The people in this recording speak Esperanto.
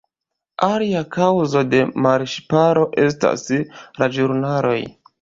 Alia kaŭzo de malŝparo estas la ĵurnaloj.